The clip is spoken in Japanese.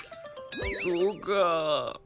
そうかあ。